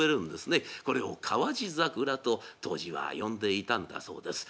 これを川路桜と当時は呼んでいたんだそうです。